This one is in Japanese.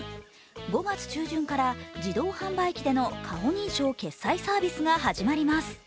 ５月中旬から自動販売機での顔認証決済サービスが始まります。